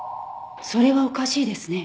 それはおかしいですね。